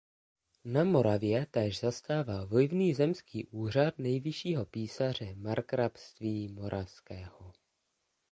Na Moravě též zastával vlivný zemský úřad nejvyššího písaře Markrabství moravského.